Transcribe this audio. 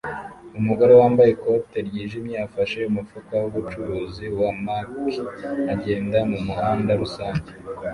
Umugore wambaye ikote ryijimye afashe umufuka wubucuruzi wa Macy agenda mumuhanda rusange